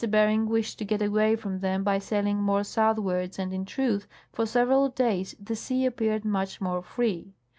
Bering wished to get away from them by sailing more southwards, and, in truth, for several days the sea appeared much more free.